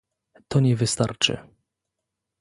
To nie wystarczy